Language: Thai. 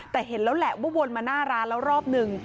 แต่เห็นแล้วแหละว่าวนมาหน้าร้านแล้วรอบนึง